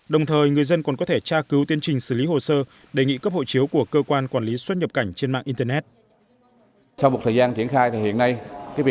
đồng thời người dân còn có thể tra cứu tiến trình xử lý hồ sơ đề nghị cấp hộ chiếu